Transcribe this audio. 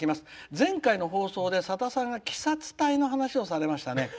前回の放送で、さださんがＫＩＳＡ２隊の話をされましたね。